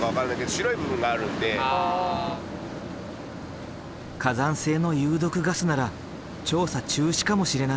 火山性の有毒ガスなら調査中止かもしれない。